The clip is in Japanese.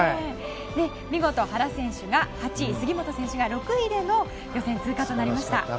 見事、原選手が８位杉本選手が６位での予選通過となりました。